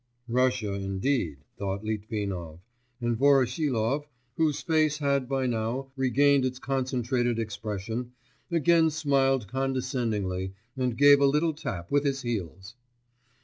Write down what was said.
'Russia, indeed,' thought Litvinov; and Voroshilov, whose face had by now regained its concentrated expression, again smiled condescendingly, and gave a little tap with his heels.